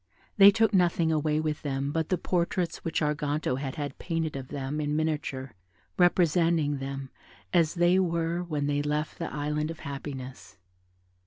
They took nothing away with them but the portraits which Arganto had had painted of them in miniature, representing them as they were when they left the Island of Happiness.